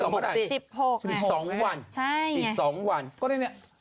ขาของไม่ได้